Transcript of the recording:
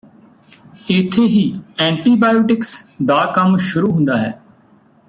ਇਥੇ ਹੀ ਐਂਟੀਬਾਇਓਟਿਕਸ ਦਾ ਕੰਮ ਸ਼ੁਰੂ ਹੁੰਦਾ ਹੈ